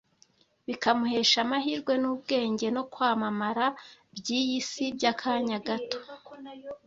bikamuhesha amahirwe n’ubwenge no kwamamara by’iyi si by’akanya gato?